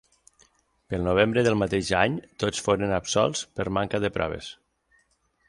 Pel novembre del mateix any tots foren absolts per manca de proves.